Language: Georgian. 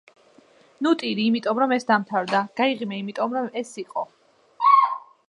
ნუ ტირი იმიტომ, რომ ეს დამთავრდა. გაიღიმე იმიტომ რომ ეს იყო.